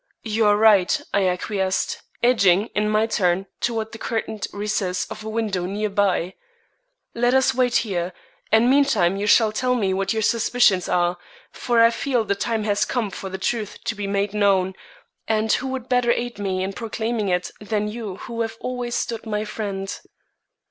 "You are right," I acquiesced, edging, in my turn, toward the curtained recess of a window near by. "Let us wait here, and meantime you shall tell me what your suspicions are, for I feel the time has come for the truth to be made known, and who could better aid me in proclaiming it than you who have always stood my friend?"